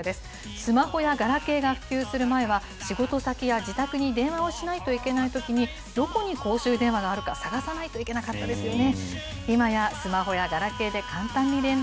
スマホやガラケーが普及する前は仕事先や自宅に電話をしないといけないときに、どこに公衆電話があるか探さないといけなかったですよね。